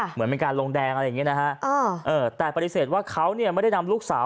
เหมือนเป็นการลงแดงอะไรอย่างนี้นะฮะแต่ปฏิเสธว่าเขาเนี่ยไม่ได้นำลูกสาว